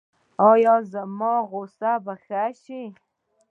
ایا زما غوسه به ښه شي؟